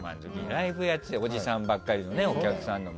ライブやってておじさんばっかりでお客さんも。